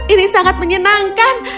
ini sangat menyenangkan